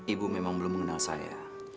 ibu memang belum mengenal saya